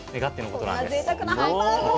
こんなぜいたくなハンバーグを。